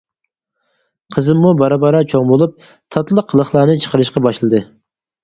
قىزىممۇ بارا-بارا چوڭ بولۇپ، تاتلىق قىلىقلارنى چىقىرىشقا باشلىدى.